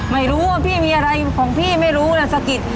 ไม่รู้ว่าพี่มีอะไรของพี่ไม่รู้นะสะกิด